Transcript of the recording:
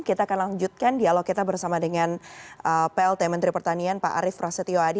kita akan lanjutkan dialog kita bersama dengan plt menteri pertanian pak arief prasetyo adi